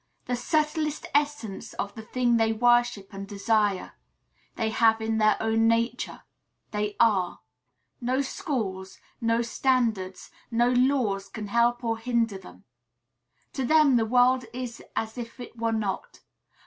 The subtlest essence of the thing they worship and desire, they have in their own nature, they are. No schools, no standards, no laws can help or hinder them. To them the world is as if it were not.